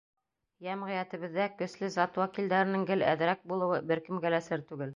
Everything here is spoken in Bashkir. Йәмғиәтебеҙҙә көслө зат вәкилдәренең гел әҙерәк булыуы бер кемгә лә сер түгел.